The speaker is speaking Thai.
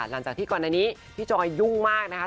หลังจากที่ก่อนอันนี้พี่จอยยุ่งมากนะคะ